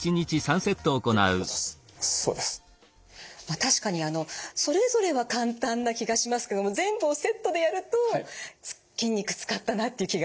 確かにそれぞれは簡単な気がしますけども全部をセットでやると筋肉使ったなっていう気が。